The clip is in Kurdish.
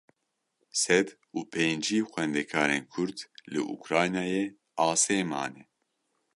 Sed û pêncî xwendekarên Kurd li Ukraynayê asê mane.